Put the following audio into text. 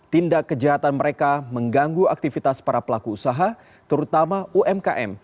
tindak kejahatan mereka mengganggu aktivitas para pelaku usaha terutama umkm